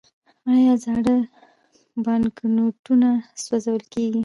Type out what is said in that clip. آیا زاړه بانکنوټونه سوځول کیږي؟